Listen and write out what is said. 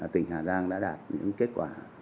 tỉnh hà giang đã đạt những kết quả